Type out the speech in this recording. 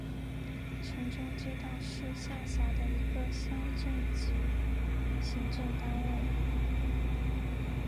城中街道是下辖的一个乡镇级行政单位。